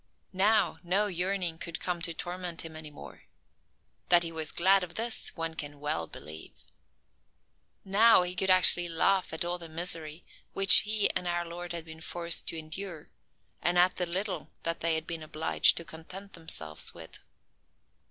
Now, no yearning could come to torment him any more. That he was glad of this one can well believe. Now, he could actually laugh at all the misery which he and our Lord had been forced to endure, and at the little that they had been obliged to content themselves with.